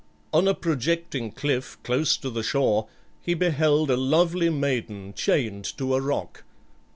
On a projecting cliff close to the shore he beheld a lovely maiden chained to a rock.